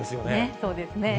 そうですね。